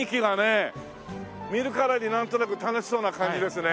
見るからになんとなく楽しそうな感じですね。